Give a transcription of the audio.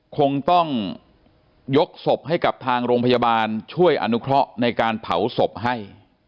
คงต้องยกศพให้กับทางโรงพยาบาลช่วยอนุเคราะห์ในการเผาศพให้